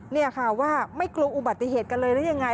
นี่ค่ะว่าไม่กลัวอุบัติเหตุกันเลยหรือยังไง